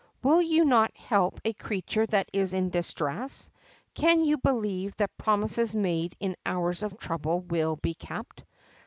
Will you not help a creature that is in dis tress ? Cannot you believe that promises made in hours of trouble will be kept